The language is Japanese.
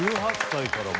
１８歳から。